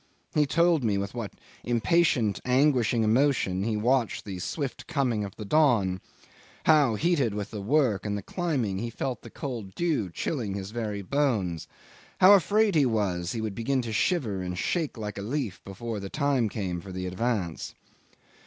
He told me with what impatient anguishing emotion he watched the swift coming of the dawn; how, heated with the work and the climbing, he felt the cold dew chilling his very bones; how afraid he was he would begin to shiver and shake like a leaf before the time came for the advance.